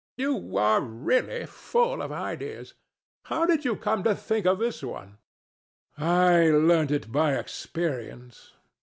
You are really full of ideas. How did you come to think of this one? DON JUAN. I learnt it by experience.